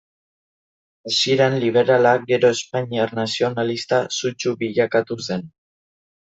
Hasieran liberala gero espainiar nazionalista sutsu bilakatu zen.